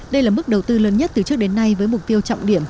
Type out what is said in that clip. đây là mức đầu tư lớn nhất từ trước đến nay với mục tiêu trọng điểm